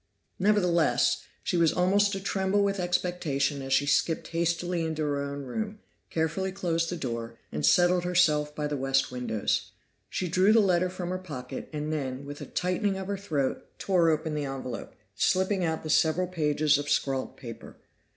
Nevertheless, she was almost a tremble with expectation as she skipped hastily into her own room, carefully closed the door, and settled herself by the west windows. She drew the letter from her pocket, and then, with a tightening of her throat, tore open the envelope, slipping out the several pages of scrawled paper.